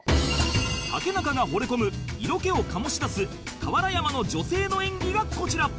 竹中が惚れ込む色気を醸し出す俵山の女性の演技がこちら